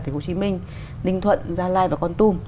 thủy hồ chí minh ninh thuận gia lai và con tum